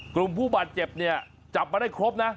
กลุ่มผู้บาดเจ็บเนี่ยจับมาได้ครบนะ